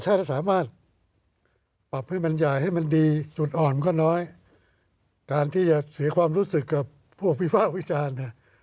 ถ้าสามารถปรับให้มันใหญ่ให้มันดีจุดอ่อนมันก็น้อยการที่จะเสียความรู้สึกกับพวกวิภาควิจารณ์เนี่ย